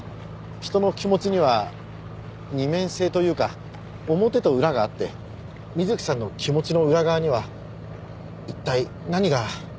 人の気持ちには二面性というか表と裏があって美月さんの気持ちの裏側には一体何が。